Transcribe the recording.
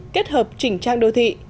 kết hợp chỉnh trang đô thị